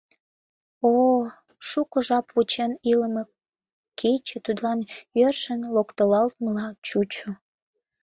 О-о, шуко жап вучен илыме кече тудлан йӧршын локтылалтмыла чучо.